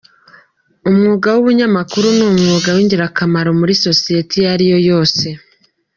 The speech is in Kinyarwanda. Umwuga w’ubunyamakuru ni umwuga w’ingirakamaro muri sosiyete iyo ariyo yose.